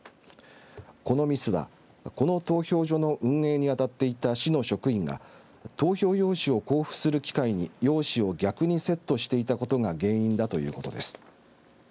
このミスはこの投票所の運営に当たっていた市の職員が投票用紙を交付する機械に用紙を逆にセットしていたことが原因だということです。